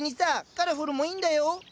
カラフルもいいんだよ？